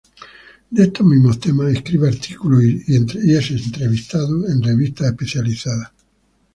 De estos mismos temas escribe artículos y es entrevistado en revistas especializadas.